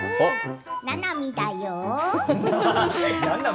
ななみだよ。